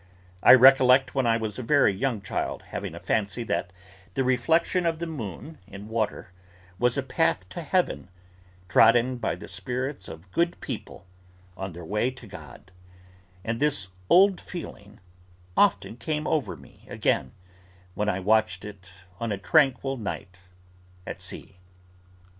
I recollect when I was a very young child having a fancy that the reflection of the moon in water was a path to Heaven, trodden by the spirits of good people on their way to God; and this old feeling often came over me again, when I watched it on a tranquil night at sea.